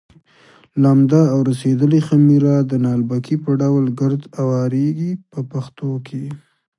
لمده او رسېدلې خمېره د نالبکي په ډول ګرد اوارېږي په پښتو کې.